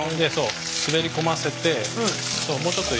滑り込ませてもうちょっと。